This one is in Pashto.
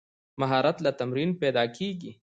مهارت له تمرین پیدا کېږي.